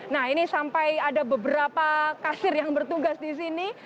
nah ini sampai ada beberapa kasir yang bertugas di sini